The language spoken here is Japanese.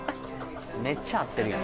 めっちゃ合ってるやん